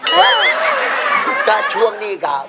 เออก็ช่วงนี้ก่อน